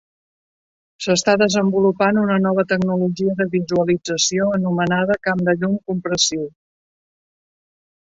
S'està desenvolupant una nova tecnologia de visualització anomenada "camp de llum compressiu".